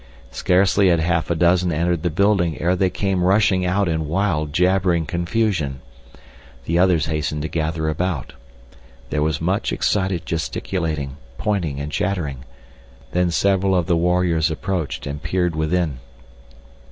Scarcely had half a dozen entered the building ere they came rushing out in wild, jabbering confusion. The others hastened to gather about. There was much excited gesticulating, pointing, and chattering; then several of the warriors approached and peered within.